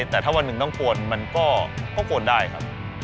แต่ถ้าวันหนึ่งต้องกวนมันก็ควรได้ครับ